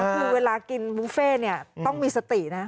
คือเวลากินบุฟเฟ่ต้องมีสตินะ